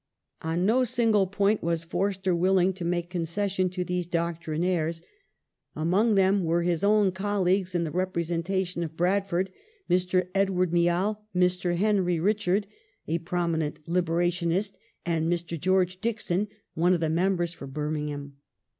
On no single point was Forster willing to make concession to these doctrinaires. Among them were his own colleague in the representation of Bradford, Mr. Edward Miall, Mr. Henry Richard, a prominent liberationist, and Mr. George Dixon, one of the members for Birmingham.